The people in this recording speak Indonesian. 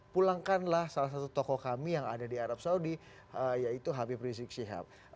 pulangkanlah salah satu tokoh kami yang ada di arab saudi yaitu habib rizik syihab